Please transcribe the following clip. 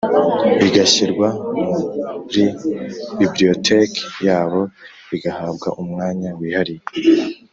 bigashyirwa muri Bibliotheque yabo bigahabwa umwanya wihariye